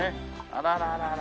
あらららら。